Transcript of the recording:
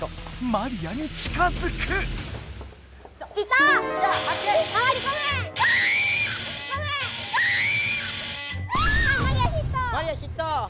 マリアヒット！